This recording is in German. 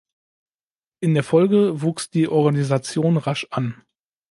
In der Folge wuchs die Organisation rasch an.